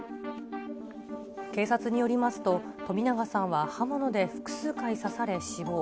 警察によりますと、冨永さんは刃物で複数回刺され死亡。